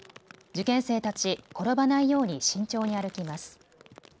受験生たち、転ばないように慎重に歩きます。